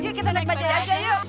yuk kita nek bajaj aja yuk